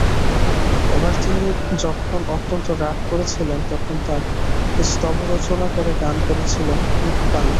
এবার তিনি যখন অত্যন্ত রাগ করেছিলেন তখন তাঁর স্তবরচনা করে গান করেছিলুম– নৃপবালা।